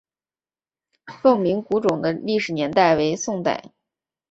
凤鸣古冢的历史年代为宋代。